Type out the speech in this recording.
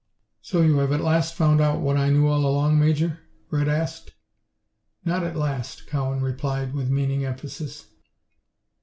"So you have at last found out what I knew all along, Major?" Red asked. "Not at last," Cowan replied, with meaning emphasis.